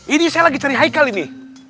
ini saya lagi cari hikal ini